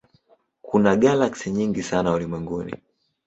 Kuna galaksi nyingi sana ulimwenguni.